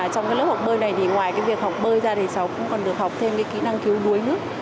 trong lớp học bơi này ngoài việc học bơi ra thì cháu còn được học thêm kỹ năng cứu đuối nước